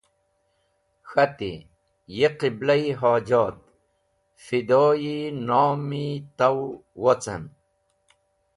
K̃hati: “Ye qibla-e hojoat! Fido-e nom-e taw wocem.